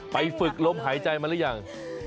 ไปฝึกลมหายใจมาหรือยัง